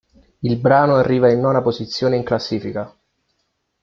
Il brano arriva in nona posizione in classifica.